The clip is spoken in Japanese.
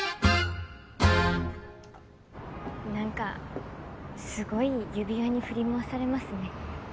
何かすごい指輪に振り回されますね。